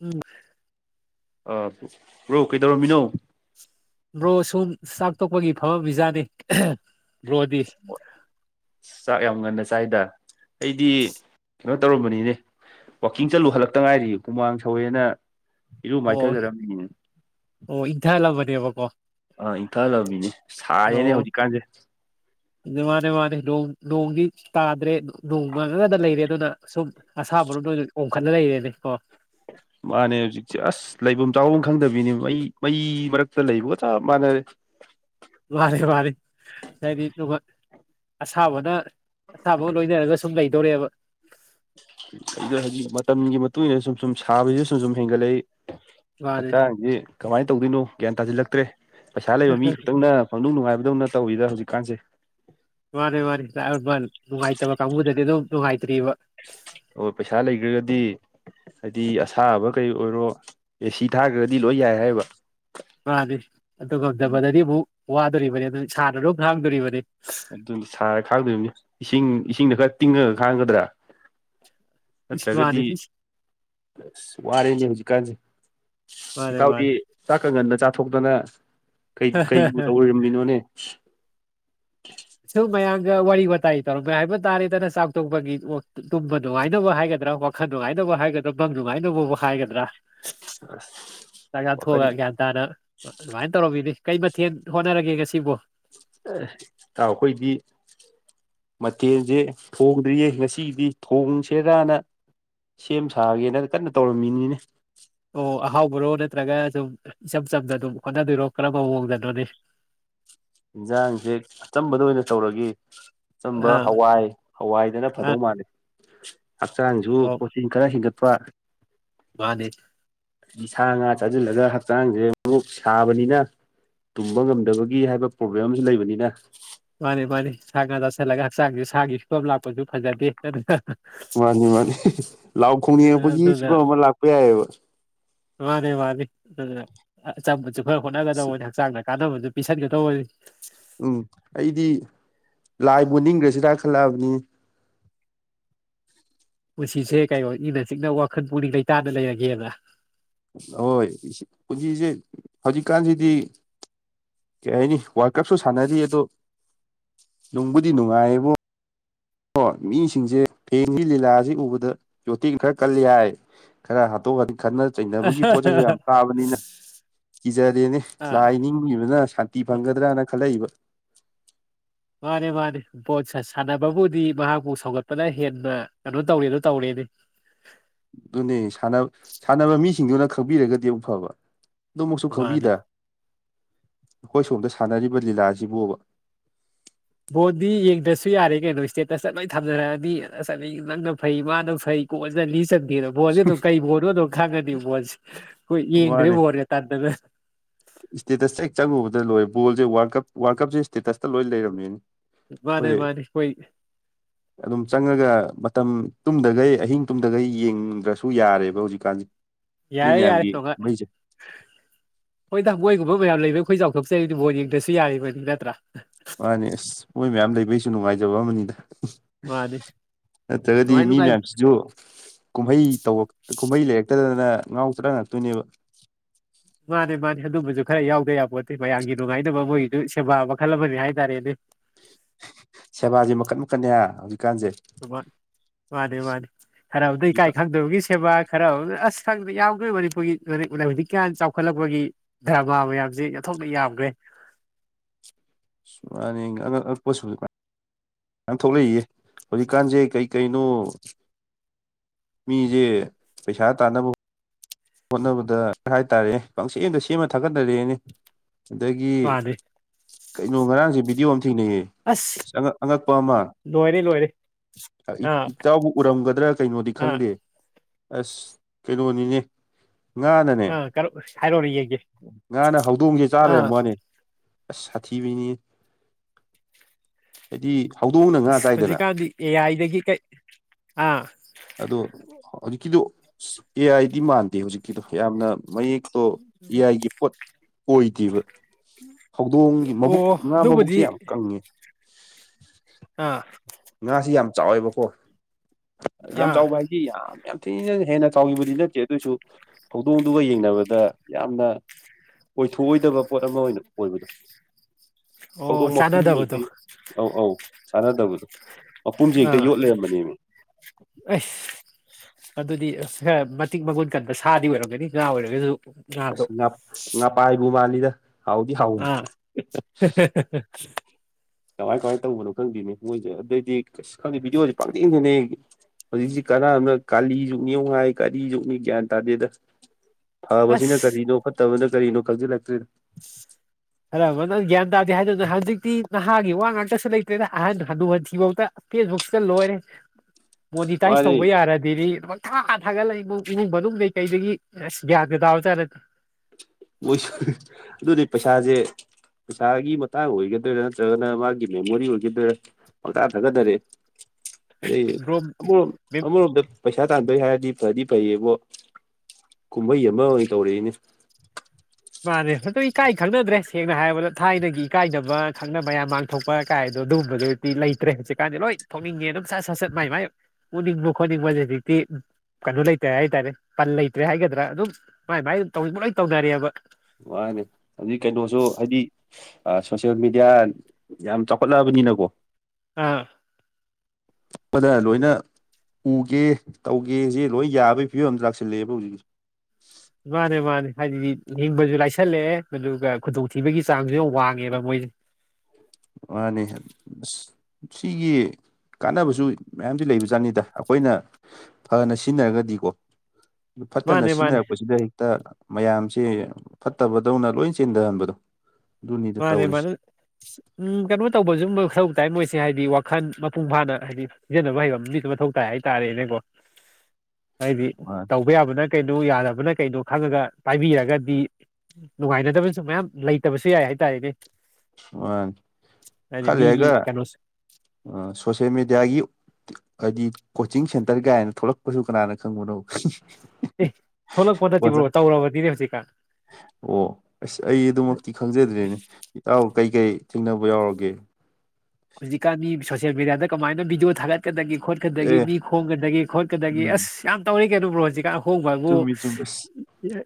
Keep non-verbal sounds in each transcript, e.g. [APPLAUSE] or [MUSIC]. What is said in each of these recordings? ꯎꯝ ꯑ ꯕ꯭ꯔꯣ ꯀꯩꯗꯧꯔꯝꯃꯤꯅꯣ ꯭ꯔꯣ ꯁꯨꯝ ꯆꯥꯛ ꯇꯣꯛꯄꯒꯤ ꯐꯐꯝ ꯖꯥꯠꯅꯤ ꯭ꯕꯔꯣꯗꯤ ꯉꯁꯥꯏꯗ ꯑꯩꯗꯤ ꯀꯩꯅꯣ ꯇꯧꯔꯝꯕꯅꯤꯅꯦ ꯋꯥꯋꯀꯤꯡ ꯆꯠꯂꯨ ꯍꯜꯂꯛꯇ ꯉꯥꯏꯔꯤ ꯍꯨꯃꯥꯡ ꯁꯧꯋꯦꯅ ꯏꯔꯨ ꯑꯣ ꯃꯥꯏꯊꯖꯔꯝꯃꯤꯅꯦ ꯑꯣ ꯏꯊ ꯂꯧꯕꯅꯦꯕ ꯀꯣ ꯑꯥ ꯏꯟꯊꯠꯜꯂꯃꯤꯅꯦ ꯁꯥꯏꯌꯦꯦꯅꯦ ꯑꯣ ꯍꯧꯖꯤꯛꯀꯥꯟꯁꯦ ꯃꯥꯅꯦ ꯃꯥꯅꯦ ꯅꯣꯡꯒꯤ ꯇꯥꯗ꯭ꯔꯦ ꯅꯣꯡꯃꯥꯡꯉꯒꯗ ꯂꯩꯔꯦ ꯑꯗꯨꯅ ꯁꯨꯝ ꯥꯕ꯭ꯔꯣ ꯑꯣꯡꯈꯠꯅ ꯂꯩꯔꯦꯅꯦ ꯀꯣ ꯎ [UNINTELLIGIBLE] [INAUDIBLE] ꯃꯥꯅꯦ ꯍꯧꯖꯤꯛꯇꯁꯤ ꯑꯁ ꯂꯩꯐꯝ ꯆꯥꯐꯝ ꯈꯪꯗꯕꯤꯅꯤ ꯃꯩ ꯃꯩ ꯃꯔꯛꯇ ꯂꯩꯕꯒ ꯆꯞ ꯃꯥꯟꯅ [UNINTELLIGIBLE] [INAUDIBLE] ꯋꯥꯅꯤ ꯋꯥꯅꯤ ꯍꯥꯏꯗꯤ ꯑꯁꯥꯕꯅ ꯑꯁꯥꯐ ꯂꯣꯏꯅꯔꯒ ꯁꯨꯝ ꯂꯩꯗꯧꯔꯦꯕ ꯍꯥꯏꯗꯤ ꯃꯇꯝꯒꯤ ꯃꯇꯨꯡ ꯏ ꯃꯇꯨꯡꯏꯟꯅ ꯁꯨꯝ ꯁꯨꯝ ꯁꯥꯕꯁꯤ ꯁꯨꯝ ꯁꯨꯝ ꯍꯦꯟꯒꯠꯂꯛꯏ ꯃꯥꯅꯦ ꯍꯛꯆꯥꯡꯁꯤ ꯀꯃꯥꯏꯅ ꯇꯧꯗꯣꯏꯅꯣ ꯒ꯭ꯌꯥꯟ ꯇꯥꯁꯤꯜꯂꯛꯇ꯭ꯔꯦ ꯄꯩꯁꯥ ꯂꯩꯕ ꯃꯤ ꯈꯛꯇꯪꯅ ꯐꯪꯗꯧ ꯅꯨꯡꯉꯥꯏꯕꯗꯧꯅ ꯇꯧꯋꯤꯗ ꯍꯧꯖꯤꯛꯀꯥꯟꯁꯦ ꯋꯥꯦ ꯋꯥꯅꯤꯕꯟ ꯅꯨꯡꯉꯥꯏꯇꯕ ꯀꯥꯡꯕꯨꯗꯗꯤ ꯑꯗꯨꯝ ꯅꯨꯡꯉꯥꯏꯇ꯭ꯔꯤꯕ ꯑꯣꯣꯏ ꯄꯩꯁꯥ ꯂꯩꯈ꯭ꯔꯒꯗꯤ ꯍꯥꯏꯗꯤ ꯑꯁꯥꯕ ꯀꯩ ꯑꯣꯏꯔꯣ ꯑꯦꯁꯤ ꯊꯥꯈ꯭ꯔꯗꯤ ꯂꯣꯏ ꯌꯥꯏ ꯍꯥꯏꯕ ꯃꯥꯅꯦ ꯑꯗꯨꯒ ꯉꯪꯗꯕꯗꯗꯤ ꯑꯃꯨꯛ ꯋꯥꯗꯣꯔꯤꯕꯅꯤ ꯑꯗꯨ ꯏꯁꯥꯟꯅ ꯑꯗꯨꯨ ꯍꯥꯡꯗꯣꯔꯤꯕꯅꯤ ꯑꯗꯨꯅ ꯇꯤꯉ ꯈꯒꯗ꯭ꯔꯥ ꯏꯁ ꯏꯁꯋꯥꯔꯤ ꯑꯁ ꯋꯥꯔꯦꯅꯦ ꯍꯧꯖꯤꯛꯀꯥꯟꯁꯦ ꯃꯥꯅꯦ ꯏꯀꯥꯎꯗꯤ ꯃꯥꯅꯦ ꯆꯥꯛꯀ ꯉꯟꯅ ꯆꯥꯛ ꯊꯣꯛꯣꯛꯇꯅ ꯀ ꯀꯨ ꯇ ꯑꯣꯏꯔꯝꯃꯤꯅꯣꯅꯦ ꯁꯨꯝ ꯃꯌꯥꯝꯒ ꯋꯥꯔꯤ ꯋꯥꯇꯥꯏ ꯇꯧꯔꯝꯃꯦ ꯍꯥꯏꯕ ꯇꯥꯔꯦꯗꯅ ꯆꯥꯎꯊꯣꯛꯄꯒꯤ ꯇꯨꯝꯕ ꯅꯨꯡꯉꯥꯏꯅꯕ ꯍꯥꯏꯒꯗ꯭ꯔꯥ ꯋꯥꯈꯜ ꯅꯨꯡꯉꯥꯏꯅꯕꯕꯨ ꯍꯥꯏꯒꯗ꯭ꯔꯥ ꯕꯪ ꯅꯨꯡꯉꯥꯏꯅꯅꯕꯕꯨ ꯍꯥꯏꯒꯗ꯭ꯔꯥ ꯑꯁ ꯆꯥꯀ ꯋꯥꯈꯜ ꯊꯣꯛꯣꯛꯑꯒ ꯒ꯭ꯌꯥꯟ ꯇꯥꯅ ꯑꯗꯨꯃꯥꯏꯅ ꯇꯧꯔꯝꯃꯤꯅꯤ ꯀꯩ ꯃꯊꯦꯜ ꯍꯣꯠꯅꯔꯒꯦ ꯉꯁꯤꯕꯣ ꯇ ꯑꯩꯈꯣꯏꯗꯤ ꯃꯊꯦꯜꯁꯦ ꯊꯣꯡꯗ꯭ꯔꯤꯌꯦ ꯉꯁꯤꯒꯤꯗꯤ ꯊꯣꯡꯁꯦꯔꯥꯅ ꯁꯦꯝ ꯁꯥꯔꯒꯦꯅꯪ ꯀꯟꯅ ꯇꯧꯔꯝꯃꯤꯅꯤꯅꯦ ꯑꯣ ꯑꯍꯥꯎꯕꯔꯣ ꯅꯠꯇ꯭ꯔꯒ ꯁꯨꯝ ꯏꯆꯝ ꯆꯝꯅ ꯑꯗꯨꯝ ꯍꯣꯠꯅꯗꯣꯏꯔꯣ ꯀꯔꯝꯕ ꯃꯑꯣꯡꯗꯅꯣꯅꯦ ꯏꯟꯁꯥꯡꯁꯦ ꯑꯆꯝꯕꯗ ꯑꯣꯏꯅ ꯇꯧꯔꯒ ꯑꯆꯝꯕ ꯑꯥ ꯍꯋꯥꯏ ꯍꯋꯥꯏꯗꯅ ꯑꯥ ꯐꯗꯧ ꯃꯥꯥꯟꯜꯂꯤꯩ ꯍꯛꯆꯥꯡꯁꯨ ꯄꯣꯠꯆꯤꯟ ꯈꯔ ꯍꯦꯟꯒꯠ ꯋꯥ [UNINTELLIGIBLE] [INAUDIBLE] ꯃꯥꯅꯦ ꯁꯥ ꯉꯥ ꯆꯥꯁꯤꯜꯂꯒ ꯍꯛꯆꯥꯡꯁꯦ ꯑꯃꯨꯛ ꯁꯥꯕꯅꯤꯅ ꯇꯨꯝꯕ ꯉꯝꯗꯕꯒꯤ ꯍꯥꯏꯕ ꯄ꯭ꯔꯣꯕ꯭ꯂꯦꯝ ꯑꯃꯁꯨ ꯂꯩꯕꯅꯤꯅ ꯃꯥꯅꯤ ꯃꯥꯅꯦ ꯁꯥ ꯉꯥ ꯆꯥꯁꯤꯜꯂꯒ ꯍꯛꯆꯥꯡꯁꯦ ꯁꯥꯒꯤ ꯐꯤꯕꯝ ꯂꯥꯛꯄꯁꯨ ꯐꯖꯗꯦ ꯑꯗꯨꯒ ꯃꯥꯅꯤ ꯃꯥꯅꯤ ꯂꯥꯎ ꯈꯣꯡ ꯌꯦꯡꯉꯛꯄꯒꯤ ꯐꯤꯕꯝ ꯑꯃ ꯂꯥꯛꯄ ꯌꯥꯏꯑꯕ ꯑꯗꯦ ꯃꯥꯗꯦ ꯑꯗꯨ ꯑꯆꯝꯕꯁꯨ ꯈꯔ ꯍꯣꯠꯅꯒꯗꯧꯕꯅꯤ ꯍꯛꯆꯥꯡꯗ ꯀꯥꯟꯅꯕꯗꯨ ꯄꯤꯁꯟꯒꯗꯧꯕꯅꯤ ꯎꯝ ꯑꯩꯗꯤ ꯂꯥꯏꯕꯨ ꯅꯤꯡꯈ꯭ꯔꯁꯤꯅ ꯈꯜꯂꯛꯑꯕꯅꯤ ꯄꯨꯟꯁꯤꯁꯦ ꯀꯩꯅꯣ ꯏꯪꯅ ꯆꯤꯛꯅ ꯋꯥꯈꯜ ꯄꯨꯛꯅꯤꯡ ꯂꯩꯇꯥꯅ ꯂꯩꯔꯒꯦꯅ ꯍꯣꯏ ꯄꯨꯟꯁꯤꯁꯦ ꯍꯧꯖꯤꯛꯀꯥꯟꯁꯤꯗꯤ ꯀꯩ ꯍꯥꯏꯅꯤ ꯋꯥꯔꯜ ꯀꯞꯁꯨ ꯁꯥꯟꯅꯔꯤ ꯑꯗꯣ ꯅꯨꯡꯕꯨꯗꯤ ꯅꯨꯡꯉꯥꯏꯌꯦꯕ ꯑꯣ ꯃꯤꯁꯤꯡꯁꯦ ꯊꯦꯡꯁꯤ ꯂꯤꯂꯥꯁꯤ ꯎꯕꯗ ꯌꯣꯇꯤꯟ ꯈꯔ ꯀꯜꯂꯤ ꯌꯥꯏ ꯈꯔ ꯍꯥꯠꯇꯣꯛ ꯈꯠꯅ ꯆꯩꯅꯕꯒꯤ ꯄꯣꯠ ꯆꯩꯁꯨ ꯌꯥꯝ ꯇꯥꯕꯅꯤꯅ ꯀꯤꯖꯔꯦꯅꯦ ꯑꯥ ꯂꯥꯏ ꯅꯤꯡꯉꯤꯕꯅ ꯁꯥꯟꯇꯤ ꯐꯪꯒꯗ꯭ꯔꯅ ꯈꯜꯂꯛꯏꯕ ꯃꯥꯅꯦ ꯃꯥꯅꯦ ꯕꯣꯠ ꯁꯥꯟꯅꯕꯕꯨꯗꯤ ꯃꯍꯥꯛꯄꯨ ꯁꯧꯒꯠꯄꯅ ꯍꯦꯟꯅ ꯀꯩꯅꯣ ꯇꯧꯔꯦꯗ ꯇꯧꯔꯦꯅꯦ ꯑꯗꯨꯅꯦ ꯁꯥꯟꯅꯕ ꯃꯤꯁꯤꯡꯗꯨꯅ ꯈꯪꯕꯤꯔꯒꯗꯤ ꯑꯃꯝꯛ ꯐꯕ ꯑꯗꯨꯃꯛꯁꯨ ꯃꯥꯅꯦ ꯈꯪꯕꯤꯗ ꯑꯩꯈꯣꯏ ꯁꯣꯝꯗ ꯁꯥꯟꯅꯔꯤꯕ ꯂꯤꯂꯥ ꯑꯁꯤꯕꯨꯕ ꯕꯣꯣꯟꯗꯤ ꯌꯦꯡꯗ꯭ꯔꯁꯨ ꯌꯥꯔꯦ ꯀꯩꯅꯣ ꯏꯁꯇꯦꯠꯇ ꯆꯠꯂꯣꯏ ꯊꯝꯅꯔꯛꯑꯗꯤ ꯆꯠꯅ ꯅꯪꯅ ꯐꯩ ꯃꯥꯅ ꯐꯩ ꯖꯅ ꯂꯤ ꯀꯗ ꯕꯣꯟꯁꯦ ꯑꯗꯨꯝ ꯀꯩ ꯕꯣꯜꯅꯣ ꯑꯗꯨꯝ ꯈꯪꯉꯅꯤꯕ ꯕꯣꯁꯦ ꯍꯈꯣꯏ ꯌꯦꯡꯗ꯭ꯔꯦ ꯃꯕꯣꯜꯁꯦ ꯇꯟꯗꯅ ꯏꯁꯗꯤꯦ ꯇꯁ ꯆꯒꯨ ꯕꯣꯜꯁꯦ ꯋꯥꯔꯜ ꯀꯞ ꯋꯥꯔꯜ ꯀꯞꯁꯦ ꯏꯁꯇꯦꯇꯁꯇ ꯂꯣꯏ ꯂꯩꯔꯝꯃꯦꯅꯤ ꯃꯥꯅꯦ ꯑꯩꯈꯣꯏ ꯃꯥꯅꯦ ꯍꯣꯏ ꯑꯗꯨꯝ ꯆꯪꯉꯒ ꯃꯇꯝ ꯇꯨꯝꯗꯈꯩ ꯑꯍꯤꯡ ꯇꯨꯝꯗꯒꯩ ꯌꯦꯡꯗ꯭ꯔꯁꯨ ꯌꯥꯔꯦꯕ ꯍꯧꯖꯤꯛꯀꯥꯟꯁꯦ ꯃꯤ ꯌꯥꯔꯦ ꯌꯥꯔꯦ ꯃꯌꯥꯝꯒꯤ ꯇꯉ ꯀꯨꯝꯍꯩꯁꯦ ꯍꯣꯏ ꯊꯒꯣꯏꯒꯨꯝꯕ ꯃꯌꯥꯝ ꯂꯩꯕ ꯑꯩꯈꯣꯏ ꯆꯥꯎꯊꯣꯛꯆꯔꯤꯗꯨꯕ ꯌꯦꯡꯗꯁꯨ ꯌꯥꯔꯤꯕꯅꯤ ꯅꯠꯇ꯭ꯔꯥ ꯃꯥꯅꯦ ꯑꯁ ꯃꯣꯏ ꯃꯌꯥꯝ ꯂꯩꯕꯩꯁꯨ ꯅꯨꯡꯉꯥꯏꯖꯕ ꯑꯃꯅꯤꯗ ꯋꯥꯗꯤ ꯅꯠꯇ꯭ꯔꯒꯗꯤ ꯃꯤ ꯃꯌꯥꯝꯁꯤꯁꯨ ꯀꯨꯝꯍꯩ ꯇ ꯀꯨꯝꯍꯩ ꯂꯩꯔ ꯍꯇꯗꯅ ꯉꯥꯎꯇꯔ ꯉꯥꯛꯇꯣꯏꯅꯦꯕ ꯃꯥꯅꯦ ꯃꯥꯅꯦ ꯑꯗꯨꯝꯕꯁꯨ ꯈꯔ ꯌꯥꯎꯗ ꯌꯥꯄꯣꯠꯇꯦ ꯃꯌꯥꯝꯒꯤ ꯅꯨꯡꯉꯥꯏꯅꯕ ꯃꯣꯏ ꯑꯗꯨ ꯁꯦꯕꯥꯕ ꯈꯜꯂꯕꯅꯦ ꯍꯥꯏꯇꯥꯔꯦ ꯑꯗꯨ ꯁꯦꯕꯥꯁꯤꯦ ꯃꯈꯟ ꯃꯈꯟꯅꯦ ꯍꯧꯖꯤꯛ ꯃꯥꯅꯤ ꯃꯥꯅꯤ ꯈꯔꯥꯎꯗ ꯏꯀꯥꯏ ꯈꯪꯗꯕꯒꯤ ꯁꯦꯕꯥ ꯈꯔ ꯑꯁ ꯈꯪꯗꯦ ꯌꯥꯝꯗꯣꯏ ꯃꯅꯤꯄꯨꯔꯒꯤ ꯍꯧꯖꯤꯛ ꯀꯌꯥꯟ ꯆꯥꯎꯈꯠꯂꯛꯄꯒꯤ ꯗꯔꯃꯥ ꯃꯌꯥꯝꯁꯦ ꯊꯣꯛꯅ ꯌꯥꯝꯈ꯭ꯔꯦ ꯑꯅꯤ ꯑ ꯄꯁꯤ ꯌꯥꯝ ꯊꯣꯛꯂꯛꯏꯌꯦ ꯍꯧꯖꯤꯛꯀꯥꯟꯁꯦ ꯀꯩ ꯀꯩꯅꯣ ꯃꯤꯖꯦ ꯄꯩꯁꯥ ꯇꯥꯟꯅꯕ ꯍꯣꯠꯅꯕꯗ ꯀ ꯍꯥꯏꯇꯥꯔꯦ ꯀꯥꯡꯪꯁ ꯑꯃꯗ ꯁꯦꯝꯃ ꯊꯥꯒꯠꯅꯔꯤꯛꯅꯤ ꯑꯗꯒꯤ ꯃꯥꯅꯦ ꯀꯩꯅꯣ ꯉꯔꯥꯡꯁꯦ ꯚꯤꯗꯤꯑꯣ ꯑꯝ ꯊꯅꯦꯩꯌꯦ ꯑꯁ ꯑ ꯑꯉꯛꯄ ꯑꯃ ꯂꯣꯏꯔꯦ ꯂꯣꯏꯔꯦ ꯑꯥ ꯏꯇꯥꯎꯕꯨ ꯎꯔꯝꯒꯗ꯭ꯔꯥ ꯀꯩꯅꯣꯗꯤ ꯑꯥ ꯈꯪꯗꯦ ꯑꯁ ꯀꯩꯅꯣꯅꯤꯅꯦ ꯉꯥꯅꯅꯦ ꯑꯥ ꯀꯔꯣ ꯍꯥꯏꯔꯛꯑꯣꯅꯦ ꯌꯦꯡꯒꯦ ꯉꯥꯅ ꯍꯧꯗꯣꯡꯁꯦ ꯆꯥꯔꯔ ꯑꯥ ꯃꯥꯣꯅꯦ ꯑꯁ ꯁꯥꯊꯤꯕꯅꯤ ꯍꯥꯏꯗꯤ ꯍꯧꯗꯣꯡꯅ ꯉꯥ ꯑꯁ ꯆꯥꯏꯗꯅ ꯍꯧꯖꯤꯛꯀꯥꯟꯗꯤ ꯑꯦ ꯑꯥꯏꯗꯒꯤ ꯀꯩ ꯑꯥ ꯑꯗꯣ ꯍꯧꯖꯤꯛꯀꯤꯗꯣ ꯑꯦ ꯑꯥꯏꯗꯤ ꯃꯥꯟꯗꯦ ꯍꯧꯖꯤꯛꯀꯤꯗꯣ ꯌꯥꯝꯅ ꯃꯌꯦꯛꯇꯣ ꯑꯦ ꯑꯥꯏꯒꯤ ꯄꯣꯠ ꯑꯣꯏꯗꯦꯕ ꯍꯧꯗꯣꯡꯒꯤ ꯑꯣ ꯃꯕꯨꯛ ꯉꯥ ꯑꯗꯨꯕꯨꯗꯤ ꯃꯕꯨꯛꯁꯦ ꯌꯥꯝ ꯀꯪꯉꯦ ꯑ ꯉꯥꯥꯁ ꯌꯥꯝ ꯆꯥꯎꯋꯦꯕꯀꯣ ꯌꯥꯝ ꯑꯥ ꯆꯥꯎꯕ ꯍꯥꯏꯗꯤꯦ ꯌꯥꯝ ꯌꯥꯝ ꯊꯤꯅ ꯍꯦꯟꯅ ꯆꯥꯎꯈꯤꯕꯗꯤ ꯅꯠꯇꯦ ꯑꯗꯨꯑꯣꯏꯁꯨ ꯍꯧꯗꯣꯡꯗꯨꯒ ꯌꯦꯡꯅꯕꯗ ꯌꯥꯝꯅ ꯑꯣꯏꯊꯣꯛꯑꯣꯏꯗꯕ ꯄꯣꯠ ꯑꯃ ꯑꯣꯏꯅ ꯑꯣꯏꯕꯗꯣ ꯑꯣ ꯊꯧꯗꯣꯡ ꯃꯄꯨꯝꯩ ꯆꯥꯟꯅꯗꯕꯗꯣ ꯑꯧ ꯑꯧ ꯆꯥꯟꯅꯗꯕꯗꯣ ꯃꯄꯨꯝꯁꯦ ꯍꯦꯛꯇ ꯑꯥ ꯌꯣꯠ ꯂꯩꯔꯝꯕꯅꯦꯃꯤ ꯑꯦ ꯑꯗꯨꯗꯤ ꯃꯇꯤꯛ ꯃꯒꯨꯟ ꯀꯟꯕ ꯁꯥꯗꯤ ꯑꯣꯏꯔꯝꯒꯅꯤ ꯉꯥ ꯑꯣꯏꯔꯒꯁꯨ ꯉꯥꯗꯣ ꯉ ꯄꯥꯏꯕꯕꯨ ꯃꯥꯂꯤꯗ ꯑꯥ ꯀꯃꯥꯏ ꯀꯃꯥꯏ ꯇꯧꯕꯅꯣ ꯈꯪꯗꯣꯏꯅꯦ ꯃꯣꯏꯁꯦ ꯑꯗꯩꯗꯤ ꯀ ꯈꯪꯗꯦ ꯚꯗꯤꯑꯣꯁꯦ ꯄꯥꯡꯇꯦꯡꯗꯦꯅꯦ ꯍꯧꯖꯤꯛꯁꯤ ꯀꯅꯥꯝꯅ ꯀꯥꯂꯤꯁꯨꯨꯛꯅꯤꯅꯨꯡꯉꯥꯏ ꯀꯥꯂꯤꯁꯨꯨꯛꯅꯤ ꯒ꯭ꯌꯥꯟ ꯇꯥꯗꯦꯗ ꯐꯥꯕꯁꯤꯅ ꯑꯁ ꯀꯔꯤꯅꯣ ꯐꯠꯇꯕꯅ ꯀꯔꯤꯅꯣ ꯈꯪꯁꯤꯜꯂꯛꯇ꯭ꯔꯤꯅ ꯑꯔ ꯅꯪ ꯒ꯭ꯌꯥꯟ ꯇꯥꯗꯦ ꯍꯥꯏꯗꯅ ꯍꯧꯖꯤꯛꯇꯤ ꯅꯍꯥꯒꯤ ꯋꯥ ꯉꯥꯛꯇꯁꯨ ꯂꯩꯇ꯭ꯔꯦꯅ ꯑꯍꯟ ꯍꯟꯨ ꯍꯟꯊꯤꯐꯥꯎꯗ ꯐꯦꯁꯕꯨꯛꯁ ꯂꯣꯏꯔꯦ [INAUDIBLE] ꯃꯣꯅꯤꯇꯥꯏꯁ ꯃꯥꯅꯤ ꯇꯧꯕ ꯌꯥꯔꯗꯤ ꯑꯗꯨꯃꯛ ꯊꯥ ꯊꯥꯒꯠꯂꯛꯏ ꯏꯃꯨꯡ ꯏꯃꯨꯡ ꯃꯅꯨꯡ ꯀꯩꯗꯒꯤ ꯑꯁ ꯒ꯭ꯌꯥꯟꯇꯨ ꯇꯥꯔ ꯆꯥꯠꯔ ꯃꯣꯏꯁꯨ ꯑꯗꯨꯗꯤ ꯄꯩꯁꯥꯁꯦ ꯄꯩꯁꯥꯒꯤ ꯃꯇꯥꯡ ꯑꯣꯏꯒꯗꯣꯏꯔꯥ ꯅꯠꯇ꯭ꯔꯒꯅ ꯃꯥꯒꯤ ꯃꯦꯃꯣꯔꯤ ꯑꯣꯏꯒꯗꯣꯏꯔꯥ ꯄꯇꯥ ꯊꯥꯒꯠꯗꯔꯦ ꯑꯗ ꯕ꯭ꯔꯣ ꯑꯃ ꯄꯩꯁꯥ ꯏꯁꯩꯥ ꯇꯥꯟꯥꯟꯕꯩ ꯍꯥꯏꯔꯗꯤ ꯐꯗꯤ ꯐꯩꯌꯦꯕꯣ ꯀꯨꯝꯍꯩ ꯑꯃ ꯑꯣꯏꯅ ꯇꯧꯔꯛꯏꯅꯦ ꯃꯥꯅꯦ ꯑꯗꯨ ꯏꯀꯥꯏ ꯈꯪꯅꯗ꯭ꯔꯦ ꯁꯦꯡꯅ ꯍꯥꯏꯔꯕꯗ ꯊꯥꯏꯅꯗꯒꯤ ꯏꯀꯥꯏꯗꯕ ꯈꯪꯅꯕ ꯃꯌꯥꯝ ꯃꯥꯡꯊꯣꯛꯄ ꯀꯀꯥꯏꯗ ꯑꯗꯨꯒꯕꯗꯨꯗꯤ ꯂꯩꯇ꯭ꯔꯦ ꯍꯧꯖꯤꯛꯀꯥꯟꯗꯤ ꯂꯣꯏ ꯊ ꯊꯣꯛꯅꯤꯡꯉꯦ ꯑꯗꯨꯝ ꯁꯠ ꯁꯠ ꯁꯠ ꯃꯥꯏ ꯃꯥꯏ ꯎꯅꯤꯡꯕ ꯈꯣꯠꯅꯤꯡꯕꯁꯦ ꯍꯧꯖꯤꯛꯇꯤ ꯀꯩꯅꯣ ꯂꯩꯇꯔꯦ ꯍꯥꯏꯇꯥꯔꯦ ꯄꯟ ꯂꯩꯇ꯭ꯔꯦ ꯍꯥꯏꯒꯗ꯭ꯔꯥ ꯑꯗꯨꯝ ꯃꯥꯏ ꯃꯥꯏꯝ ꯇꯧ ꯂꯣꯏ ꯇꯧꯅꯔꯦꯑꯕ ꯃꯥꯅꯤ ꯑꯗꯨꯗꯤ ꯀꯩꯅꯣꯁꯨ ꯍꯥꯏꯗꯤ ꯁꯣꯁꯤꯌꯦꯜ ꯃꯦꯗꯤꯌꯥ ꯌꯥꯝ ꯆꯥꯎꯈꯠꯂꯕꯅꯤ ꯃꯤꯅꯀꯣ ꯑꯥ ꯄꯗ ꯂꯣꯏꯅ ꯎꯒꯦ ꯇꯧꯒꯦ ꯁꯤ ꯂꯣꯏ ꯌꯥꯕꯒꯤ ꯐꯤꯕꯝ ꯑꯃ ꯂꯥꯛꯁꯜꯂꯛꯑꯦꯕ ꯍꯧꯖꯤꯛꯀꯤ ꯃꯥꯅꯦ ꯃꯥꯅꯦ ꯍꯥꯏꯗꯤꯗꯤ ꯍꯤꯡꯕꯁꯨ ꯂꯥꯏꯁꯜꯂꯛꯑꯦ ꯑꯗꯨꯒ ꯈꯨꯗꯣꯡꯊꯤꯕꯒꯤ ꯆꯥꯡꯁꯨ ꯌꯥꯝ ꯋꯥꯡꯉꯦꯕ ꯃꯣꯏꯁꯦ ꯃꯥꯅꯦ ꯁꯤꯒꯤ ꯀꯥꯟꯅꯕꯁꯨ ꯃꯌꯥꯝꯁꯨ ꯂꯩꯕꯖꯥꯠꯅꯤꯗ ꯑꯩꯈꯣꯏꯅ ꯐꯅ ꯁꯤꯖꯤꯟꯅꯔꯒꯗꯤꯀꯣ ꯑꯗꯨ ꯐꯠꯇꯅ ꯃꯥꯅꯦ ꯃꯥꯅꯦ ꯁꯤꯖꯤꯟꯅꯔꯛꯄꯁꯤꯗ ꯍꯦꯛꯇ ꯃꯌꯥꯝꯁꯦ ꯐꯠꯇꯕꯗꯧꯅ ꯂꯣꯏ ꯆꯦꯟꯊꯍꯟꯕꯗꯣ ꯑꯗꯨꯅꯤꯗ ꯃꯥꯅꯦ ꯇꯧꯔꯤꯁꯦ ꯃꯥꯅꯤ ꯎꯝ ꯀꯩꯅꯣ ꯇꯧꯕꯁꯨꯨꯝꯕ ꯃꯊꯧ ꯇꯥꯏ ꯃꯣꯏꯁꯦ ꯍꯥꯏꯗꯤ ꯋꯥꯈꯜ ꯃꯄꯨꯡ ꯐꯥꯅ ꯍꯥꯏꯗꯤ ꯁꯤꯖꯟꯅꯕ ꯍꯩꯕ ꯃꯤꯁꯨ ꯃꯊꯧ ꯇꯥꯏ ꯏ ꯇꯔꯦꯅꯦꯀꯣ ꯎ ꯍꯥꯏꯗꯤ ꯇꯧꯕ ꯌꯥꯕꯅ ꯀꯩꯅꯣ ꯌꯥꯗꯕ ꯑꯗꯨꯅ ꯀꯩꯅꯣ ꯈꯪꯉꯒ ꯄꯥꯏꯕꯤꯔꯒꯗꯤ ꯅꯨꯡꯉꯥꯏꯅꯗꯕꯁꯨ ꯃꯌꯥꯝ ꯂꯩꯇꯕꯁꯨ ꯌꯥꯏ ꯍꯥꯏꯇꯥꯔꯦꯅꯦ ꯑ ꯍꯥꯏꯗꯤ ꯃꯤꯒꯤ ꯈꯔꯦꯒ ꯀꯩꯅꯣꯁꯦ ꯑ ꯁꯣꯁꯦꯜ ꯃꯦꯗꯤꯌꯥꯒꯤ ꯍꯥꯏꯗꯤ ꯀꯣꯆꯤꯡ ꯁꯦꯟꯇꯔ ꯀꯥꯏꯅ ꯊꯣꯛꯂꯛꯄꯁꯨ ꯀꯅꯥꯅ ꯈꯪꯕꯅꯣ ꯑꯦ ꯊꯣꯛꯂꯛꯄ ꯅꯠꯇꯦꯕ꯭ꯔꯣ ꯑꯣꯖꯥ ꯇꯧꯔꯕꯗꯤꯅꯦ ꯍꯧꯖꯤꯛꯀꯥꯟ ꯑꯣ ꯑꯁ ꯑꯩ ꯑꯗꯨꯃꯛꯇꯤ ꯈꯪꯖꯗ꯭ꯔꯤꯦꯅꯦ ꯑꯧ ꯀꯩꯀꯩ ꯊꯦꯡꯅꯕ ꯌꯥꯎꯔꯒꯦ ꯍꯧꯖꯤꯛꯀꯥꯟ ꯃꯤ ꯁꯣꯁꯦꯜ ꯃꯦꯗꯤꯌꯥꯗ ꯀꯃꯥꯏꯅ ꯚꯗꯤꯑꯣ ꯊꯥꯒꯠꯀꯗꯒꯦ ꯈꯣꯠꯀꯗꯒꯦ ꯑꯦ ꯃꯤ ꯈꯣꯝꯒꯗꯒꯦ ꯈꯣꯠꯀꯗꯒ ꯎꯝ ꯑꯁ ꯌꯥꯝ ꯇꯧꯔꯤ ꯀꯩꯅꯣꯕ꯭ꯔꯣ ꯍꯧꯖꯤꯛꯀꯥꯟ ꯑꯍꯣꯡꯕꯕꯨ ꯆꯨꯝꯃꯤ ꯆꯨꯝꯃꯤ ꯑꯁ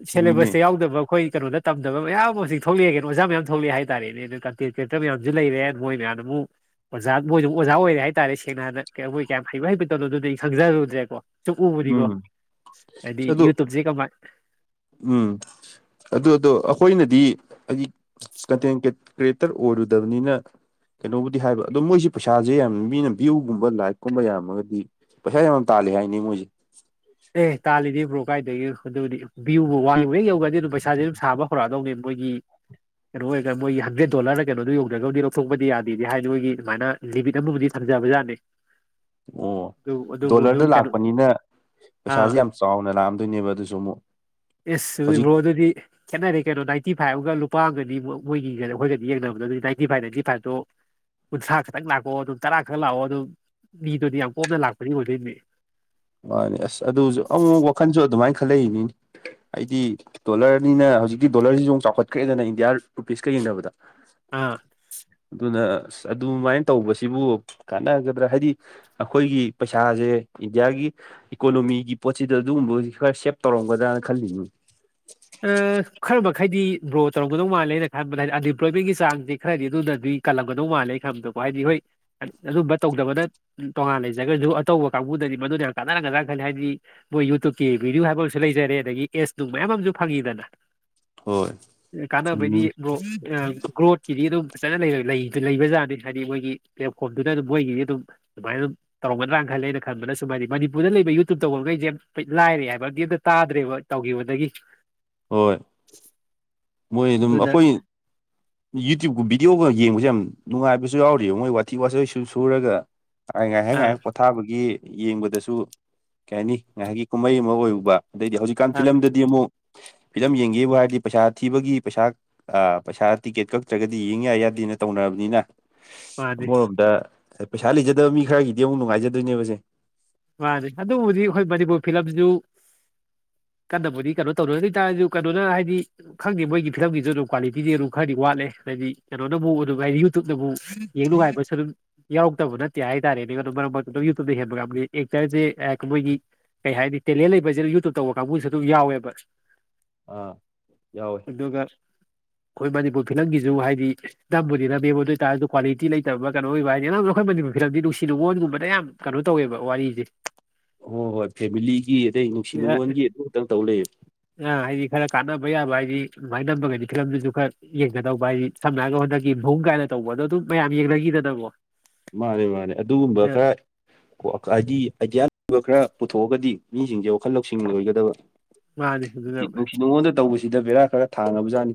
ꯆꯨꯝꯃꯤꯅꯦ ꯁꯦꯂꯦꯕꯁꯇ ꯌꯥꯎꯗꯕ ꯑꯩꯈꯣꯏ ꯀꯩꯅꯣꯗ ꯇꯝꯗꯕ ꯃꯌꯥꯝ ꯍꯧꯖꯤ ꯊꯣꯛꯂꯛꯑꯦꯅ ꯑꯣꯥꯌꯥꯝ ꯊꯣꯛꯂꯛꯑꯦ ꯍꯥꯏꯇꯥꯔꯦꯅꯦ ꯑꯗꯨ ꯀ꯭ꯦꯛꯇꯔ ꯃꯌꯥꯝꯁꯨ ꯂꯩꯔꯦ ꯃꯣꯏ ꯃꯌꯥꯝ ꯑꯗꯨꯕꯨ ꯑꯣꯖꯥ ꯃꯣꯏꯁꯨ ꯑꯣꯖꯥ ꯑꯣꯏꯔꯦ ꯍꯥꯏꯇꯥꯔꯦ ꯁꯦꯡꯅꯥꯟ ꯃꯣꯏ ꯀꯌꯥꯝ ꯍꯩꯕ ꯍꯩꯕ ꯇꯧꯅꯣ ꯑꯗꯨꯗꯤ ꯑꯩ ꯈꯪꯖꯔꯨꯗ꯭ꯔꯦꯀꯣ ꯆꯨꯝꯎꯕꯅꯤꯀꯣ ꯎꯝ ꯍꯥꯏꯗꯤ ꯑꯁ ꯑꯗꯨ ꯌꯨꯇꯨꯞꯁꯦ ꯀꯃꯥꯏ ꯎꯝ ꯑꯗꯨ ꯑꯗꯨ ꯑꯩꯈꯣꯏꯅꯗꯤ ꯑꯩꯒꯤ ꯀꯟꯇꯦꯟ ꯀ꯭ꯔꯤꯌꯦꯇꯔ ꯑꯣꯏꯔꯨꯗꯕꯅꯤꯅ ꯀꯩꯅꯣꯕꯨꯗꯤ ꯍꯥꯏꯕ ꯑꯗꯣ ꯃꯣꯏꯁꯦ ꯄꯩꯁꯥꯁꯦ ꯌꯥꯝ ꯃꯤꯅ ꯚ꯭ꯌꯨꯒꯨꯝꯕ ꯂꯥꯏꯛꯀꯨꯝꯕ ꯌꯥꯝꯃꯒꯗꯤ ꯄꯩꯁ ꯌꯥꯝ ꯇꯥꯜꯂꯤ ꯍꯥꯏꯅꯤ ꯃꯣꯏꯖꯤꯛ ꯑꯦ ꯇꯥꯂꯤꯗꯤꯕ꯭ꯔꯣ ꯀꯥꯏꯗꯒꯤꯗꯤ ꯚꯌꯨꯕꯨ ꯋꯥꯡꯕ ꯍꯦꯛ ꯌꯧꯧꯕꯗꯤ ꯑꯗꯨꯝ ꯄꯩꯁꯥꯁꯦ ꯑꯗꯨꯝ ꯁꯥꯕ ꯍꯧꯔꯛꯑꯗꯧꯅꯦ ꯃꯣꯏꯒꯤ ꯀꯩꯅꯣ ꯑꯣꯏꯔꯒ ꯃꯣꯏꯒꯤ ꯍꯟꯗ꯭ꯔꯦ ꯗꯣꯂꯔ ꯀꯩꯅꯣ ꯌꯧꯖ꯭ꯔꯒꯗꯤ ꯂꯧꯊꯣꯛꯄꯗꯤ ꯌꯥꯗꯦꯗꯤ ꯍꯥꯏꯗꯤ ꯃꯣꯏꯒꯤ ꯁꯃꯥꯏꯅ ꯂꯤꯃꯤꯠ ꯑꯃꯕꯨꯗꯤ ꯊꯝ ꯃꯖꯕꯖꯥꯅꯤ ꯑꯣ ꯗꯣꯂꯔꯗ ꯂꯥꯛꯄꯅꯤꯅ ꯑꯥ ꯄꯩꯁꯥꯁꯦ ꯌꯥꯝ ꯆꯥꯎꯅ ꯂꯥꯛꯑꯝꯗꯣꯏꯅꯦꯕ ꯑꯗꯨꯁꯨ ꯑꯃꯨꯛ ꯑꯦ ꯑꯗꯨ ꯍꯧꯖꯤꯛ ꯕ꯭ꯔꯣ ꯑꯗꯨꯗꯤ ꯈꯦꯠꯅꯔꯦ ꯀꯩꯅꯣ ꯅꯥꯏꯟꯇꯤ ꯐꯥꯏꯚ ꯑꯗꯨꯒ ꯂꯨꯄꯥꯒꯅꯤ ꯃꯣꯏꯒꯤ ꯑꯩꯈꯣꯏꯒꯗꯤ ꯌꯦꯡꯅꯕꯗ ꯑꯗꯨꯗꯤ ꯅꯥꯏꯟꯇꯤ ꯐꯥꯏꯚ ꯅꯥꯏꯟꯇꯤ ꯐꯥꯏꯚꯇꯣ ꯀꯨꯟꯊ꯭ꯔꯥ ꯈꯛꯇꯪ ꯂꯥꯛꯀꯑꯣ ꯑꯗꯨꯝ ꯇꯔꯥ ꯈꯛ ꯂꯥꯛꯑꯣ ꯑꯗꯨꯝ ꯃꯤꯗꯨꯗꯤ ꯌꯥꯝ ꯀꯣꯝꯅ ꯂꯥꯛꯄꯗꯤ ꯑꯣꯏꯗꯣꯏꯅꯦ ꯃꯥꯅꯦ ꯑꯁ ꯑꯗꯨꯁꯨ ꯑꯃꯨꯛ ꯋꯥꯈꯜꯁꯨ ꯑꯗꯨꯃꯥꯏꯅ ꯈꯜꯂꯛꯏꯅꯤꯅꯦ ꯑꯩꯗꯤ ꯗꯣꯂꯔꯅꯤꯅ ꯍꯧꯖꯤꯛꯀꯤ ꯗꯣꯂꯔꯁꯤꯁꯨ ꯑꯃ ꯆꯥꯎꯈꯠꯈ꯭ꯔꯦꯗꯅ ꯏꯟꯗꯤꯌꯥ ꯔꯨꯄꯤꯁꯀ ꯌꯦꯡꯅꯕꯗ ꯑꯥ ꯑꯗꯨꯅ ꯑ ꯑꯗꯨꯃꯥꯏꯅ ꯇꯧꯕꯁꯤꯕꯨ ꯀꯥꯟꯅꯒꯗ꯭ꯔꯥ ꯍꯥꯏꯗꯤ ꯑꯩꯈꯣꯏꯒꯤ ꯄꯩꯁꯥꯁꯦ ꯏꯟꯗꯤꯌꯥꯒꯤ ꯏꯀꯣꯅꯣꯃꯤꯒꯤ ꯄꯣꯠꯁꯤꯗ ꯑꯗꯨꯒꯨꯝꯕ ꯈꯔ ꯁꯦꯞ ꯇꯧꯔꯝꯒꯗ꯭ꯔꯅ ꯈꯜꯂꯤꯅꯤ ꯑ ꯈꯜꯕ ꯍꯥꯏꯩꯗꯤ ꯒ꯭ꯔꯣ ꯇꯧꯝꯒꯗꯧ ꯃꯥꯜꯂꯦꯅ ꯈꯟꯕꯗ ꯍꯥꯏꯗꯤ ꯑꯟꯏꯝꯄ꯭ꯂꯣꯏꯃꯦꯟꯒꯤ ꯆꯥꯡꯁꯦ ꯈꯔꯗꯤ ꯑꯗꯨꯅꯗꯤ ꯀꯜꯂꯝꯒꯧ ꯃꯥꯜꯂꯦ ꯈꯟꯕꯗꯣ ꯍꯥꯏꯗꯤ ꯍꯣꯏ ꯑꯗꯨꯝꯕ ꯇꯧꯗꯕꯅ ꯇꯣꯉꯥꯟ ꯂꯩꯖꯈꯒ꯭ꯔꯁꯨ ꯑꯇꯧꯕ ꯀꯥꯡꯕꯨꯗꯗꯤ ꯃꯗꯨꯅ ꯀꯥꯟꯅꯔ ꯀ ꯈ ꯍꯥꯏꯗꯤ ꯃꯣꯏ ꯌꯨꯇꯨꯕꯀꯤ ꯚꯗꯤꯑꯣ ꯍꯥꯏꯕ ꯑꯃꯁꯨ ꯂꯩꯖꯔꯦ ꯑꯗꯒꯤ ꯑꯦꯁ ꯅꯨꯡ ꯃꯌꯥꯝ ꯑꯃꯁꯨ ꯐꯪꯉꯤꯗꯅ ꯍꯣꯏ ꯀꯥꯟꯅꯕꯩꯗꯤ ꯆꯨꯝꯃꯤꯅꯤ ꯒ꯭ꯔꯣꯠꯀꯤꯗꯤ ꯑꯗꯨꯝ ꯐꯖꯅ ꯂꯩ ꯂꯩꯕ ꯖꯥꯠꯅꯤ ꯍꯥꯏꯗꯤ ꯃꯣꯏꯒꯤ ꯄ꯭ꯂꯦꯠꯐꯣꯝꯗꯨꯅ ꯑꯗꯨꯝ ꯃꯣꯏꯒꯤꯗꯤ ꯑꯗꯨꯝ ꯑꯗꯨꯃꯥꯏꯅ ꯑꯗꯨꯝ ꯇꯧꯔꯒꯗ꯭ꯔꯥ ꯈ ꯂꯩ ꯑꯅ ꯈꯟꯕꯅ ꯁꯨꯃꯥꯏꯗꯤ ꯃꯅꯤꯄꯨꯔꯗ ꯂꯩꯕ ꯌꯨꯇꯨꯕ ꯇꯧꯧꯕꯔꯒꯩꯁꯦ ꯂꯥꯏꯔꯦ ꯍꯥꯏꯕꯗꯤ ꯑꯝꯇ ꯇꯥꯗ꯭ꯔꯦꯕ ꯇꯧꯈꯤꯕꯗꯒꯤ ꯍꯣꯏ ꯃꯣꯏ ꯑꯗꯨꯝ ꯑꯗꯨꯅ ꯑꯩꯈꯣꯏ ꯌꯨꯇꯨꯕꯀ ꯚꯤꯗꯤꯑꯣꯒ ꯌꯦꯡꯕꯁꯦ ꯌꯥꯝ ꯅꯨꯡꯉꯥꯏꯕꯁꯨ ꯌꯥꯎꯔꯤꯕꯑ ꯃꯣꯏ ꯋꯥꯊꯤ ꯋꯥꯇꯣꯏꯁꯨ ꯁꯨꯔꯒ ꯉꯥꯏꯍꯥꯛ ꯑꯥ ꯉꯥꯏꯍꯥꯛ ꯄꯣꯊꯥꯕꯒꯤ ꯌꯦꯡꯕꯗꯁꯨ ꯀꯩ ꯍꯥꯏꯅꯤ ꯉꯥꯏꯍꯥꯛꯀꯤ ꯀꯨꯝꯍꯩ ꯑꯃ ꯑꯣꯏꯔꯨꯕ ꯑꯗꯩꯗꯤ ꯍꯧꯖꯤꯛꯀꯥꯟ ꯑꯥ ꯐꯤꯂꯝꯗꯗꯤ ꯑꯃꯨꯛ ꯐꯤꯂꯝ ꯌꯦꯡꯒꯦꯕꯨ ꯍꯥꯏꯔꯗꯤ ꯄꯩꯁꯥ ꯊꯤꯕꯒꯤ ꯄꯩꯁꯥ ꯄꯩꯁꯥ ꯇꯤꯀꯦꯠ ꯀꯛꯇ꯭ꯔꯒꯗꯤ ꯌꯦꯡ ꯌꯥ ꯌꯥꯗꯦꯅ ꯇꯧꯅꯔꯕꯅꯤꯅ ꯃꯥꯅꯤ ꯑꯃꯔꯣꯝꯗ ꯄꯩꯁꯥ ꯂꯩꯖꯗꯕ ꯃꯤ ꯈꯔꯒꯤꯗꯤ ꯑꯃꯨꯛ ꯅꯨꯡꯉꯥꯏꯖꯗꯣꯏꯅꯦꯕꯁꯦ ꯃꯥꯅꯦ ꯑꯗꯨꯕꯨꯗꯤ ꯑꯩꯈꯣꯏ ꯃꯅꯤꯄꯨꯔ ꯐꯤꯂꯝꯁꯨ ꯎ ꯀꯟꯅꯕꯨꯗꯤ ꯀꯩꯅꯣ ꯇꯧꯔꯣꯏ ꯑꯗꯨ ꯑꯣꯏꯇꯥꯔꯁꯨ ꯀꯩꯅꯣꯅ ꯍꯥꯏꯗꯤ ꯈꯪꯗꯦ ꯃꯣꯏꯒꯤ ꯐꯤꯂꯝꯒꯤꯁꯨ ꯑꯗꯨꯝ ꯀ꯭ꯋꯥꯂꯤꯇꯤꯗꯤ ꯑꯗꯨꯝ ꯈꯔꯗꯤ ꯋꯥꯠꯂꯦ ꯍꯥꯏꯗꯤ ꯀꯩꯅꯣꯅꯕꯨꯛ ꯑꯗꯨꯝ ꯍꯥꯏꯗꯤ ꯌꯨꯇꯨꯕꯅꯕꯨꯨꯛ ꯌꯦꯡ ꯅꯨꯡꯉꯥꯏꯕꯁꯨ ꯑꯗꯨꯝ ꯌꯥꯎꯔꯛꯇꯕ ꯅꯠꯇꯦ ꯍꯥꯏꯇꯥꯔꯦꯅꯦ ꯀ ꯌꯦꯦꯟꯕ ꯑꯦꯛꯇꯔꯁꯦ ꯃꯣꯏꯒꯤ ꯀꯩ ꯍꯥꯏꯅꯤ ꯇꯦꯂꯦꯟ ꯂꯩꯕꯁꯅ ꯌꯨꯇꯨꯕ ꯇꯧꯕ ꯀꯥꯡꯕꯨꯁꯨ ꯑꯗꯨꯝ ꯌꯥꯎꯋꯦꯕ ꯑꯥ ꯌꯥꯎꯋꯦ ꯑꯗꯨꯒ ꯑꯩꯈꯣꯏ ꯃꯅꯤꯄꯨꯔ ꯐꯤꯂꯝꯒꯤꯁꯨ ꯍꯥꯏꯗꯤ ꯅꯝꯕꯨꯗꯤ ꯅꯕꯤꯦꯝꯕ ꯑꯗꯨ ꯑꯣꯏꯇꯥꯔꯁꯨ ꯀ꯭ꯋꯥꯂꯤꯇꯤ ꯂꯩꯇꯕ ꯀꯩꯅꯣ ꯑꯣꯏꯕ ꯍꯥꯏꯅꯤ ꯅꯅ ꯑꯩꯈꯣꯏ ꯃꯅꯤꯄꯨꯔ ꯐꯤꯂꯝꯗꯤꯅꯨꯡꯁꯤ ꯅꯨꯡꯉꯣꯟꯒꯨꯝꯕꯗ ꯌꯥꯝ ꯀꯩꯅꯣ ꯇꯧꯋꯦꯕ ꯋꯥꯔꯤꯁꯦ ꯍꯣꯏ ꯍꯣꯏ ꯐꯦꯃꯤꯂꯤꯒꯤ ꯑꯗꯩ ꯅꯨꯡꯁꯤ ꯅꯨꯡꯉꯣꯟꯒꯤ ꯑꯗꯨ ꯈꯛꯇꯪ ꯇꯧ ꯂꯩꯌꯦ ꯑ ꯍꯥꯏꯗꯤ ꯈꯔ ꯀꯥꯟꯅꯕ ꯌꯥꯕ ꯍꯥꯏꯗꯤ ꯑꯗꯨꯃꯥꯏꯅ ꯅꯝꯃꯒꯗꯤ ꯐꯤꯂꯝꯗꯨꯁꯨ ꯈꯔ ꯌꯦꯡꯒꯗꯧꯕ ꯍꯥꯏꯗꯤ ꯁꯝꯅ ꯍꯥꯏꯔꯒ ꯍꯣꯠꯅꯈꯤ ꯃꯨꯡ ꯀꯥꯏꯅ ꯇꯧꯕ ꯑꯗꯣ ꯑꯗꯨꯝ ꯃꯌꯥꯝ ꯌꯦꯡꯅꯈꯤꯗꯗꯕꯣ ꯃꯥꯅꯦ ꯃꯥꯅꯦ ꯑꯗꯨꯒꯨꯝꯕ ꯈꯔ ꯍꯥꯏꯗꯤ ꯑꯥꯏꯗꯤꯌꯥ ꯂꯩꯕ ꯈꯔ ꯄꯨꯊꯣꯛꯑꯒꯗꯤ ꯃꯤꯁꯤꯡꯁꯦ ꯋꯥꯈꯜ ꯂꯧꯁꯤꯡ ꯂ ꯑꯣꯏꯒꯗꯕ ꯃꯥꯅꯤ ꯑꯗꯨꯅ ꯁꯤ ꯅꯨꯡꯁꯤꯠ ꯅꯨꯡꯉꯣꯟꯗ ꯇꯧꯕꯁꯤꯗ ꯕꯦꯔꯥ ꯈꯔ ꯊꯥꯅꯕꯖꯥꯠꯅꯤ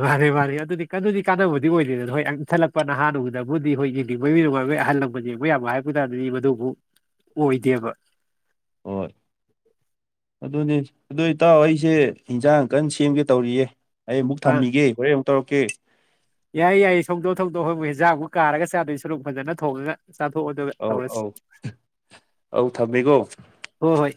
ꯃꯥꯅꯤ ꯃꯥꯅꯤ ꯑꯗꯨꯗꯤ ꯀꯗꯤ ꯀꯥꯟꯅꯕꯗꯤ ꯑꯣꯏꯗꯦꯗꯅ ꯍꯣꯏ ꯏꯊꯜꯂꯛꯄ ꯅꯍꯥꯨꯒꯤꯗꯕꯨꯗꯤ ꯍꯣꯏ ꯌꯦꯡꯅꯤꯡꯕ ꯃꯤ ꯅꯨꯡꯉꯥꯏ ꯑꯩꯣꯏ ꯑꯍꯜ ꯂꯕ ꯌꯦꯡ ꯃꯣꯏ ꯌꯥꯝꯕ ꯍꯥꯏꯕ ꯇꯥꯔꯗꯤ ꯃꯗꯨꯕꯨ ꯑꯣꯏꯗꯦꯕ ꯑꯣ ꯑꯗꯨꯅꯤ ꯑꯗꯨ ꯏꯇꯥꯎ ꯑꯩꯁꯦ ꯏꯟꯖꯥꯡ ꯀꯟꯅ ꯁꯦꯝꯒꯦ ꯇꯧꯔꯤꯌꯦ ꯑꯩ ꯑꯃꯨꯛ ꯑ ꯊꯝꯃꯤꯒꯦ ꯍꯣꯔꯦꯟ ꯑꯃꯨꯛ ꯇꯧꯔꯛꯀꯦ ꯌꯥꯏꯌꯦ ꯌꯥꯏꯌꯦ ꯁꯣꯡꯗꯣꯛ ꯊꯣꯡꯗꯣꯛ ꯍꯪꯉꯨ ꯍꯤꯟꯖꯥꯡꯨꯛ ꯀꯥꯔꯒ ꯆꯥꯗꯣꯏ ꯁꯣꯔꯣꯛ ꯐꯖꯅ ꯊꯣꯡꯉꯒ ꯆꯥꯊꯣꯛꯑꯗ ꯑꯧ ꯇꯧꯔꯁꯤ ꯑꯧ ꯑꯧ ꯊꯝꯃꯦꯀꯣ ꯍꯣꯏ ꯍꯣꯏ